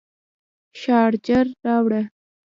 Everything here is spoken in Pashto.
شارجر راوړه